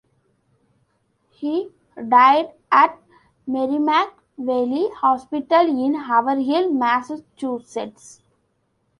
He died at Merrimack Valley Hospital in Haverhill, Massachusetts.